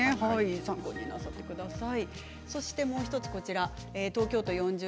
参考になさってください。